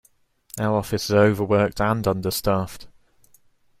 Our office is overworked and understaffed.